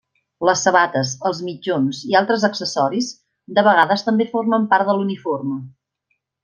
Les sabates, els mitjons, i altres accessoris, de vegades també formen part de l'uniforme.